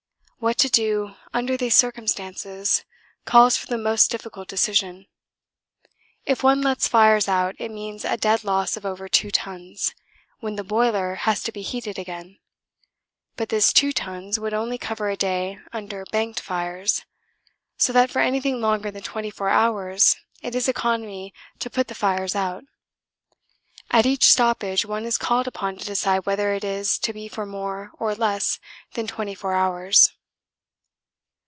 What to do under these circumstances calls for the most difficult decision. If one lets fires out it means a dead loss of over 2 tons, when the boiler has to be heated again. But this 2 tons would only cover a day under banked fires, so that for anything longer than twenty four hours it is economy to put the fires out. At each stoppage one is called upon to decide whether it is to be for more or less than twenty four hours.